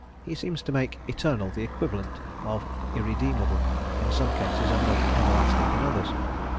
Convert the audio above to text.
He seems to make "eternal" the equivalent of "irremediable" in some cases and of "everlasting" in others.